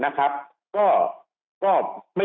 ทางประกันสังคมก็จะสามารถเข้าไปช่วยจ่ายเงินสมทบให้๖๒